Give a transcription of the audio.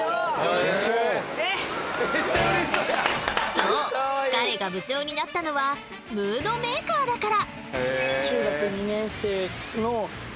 そう彼が部長になったのはムードメーカーだから。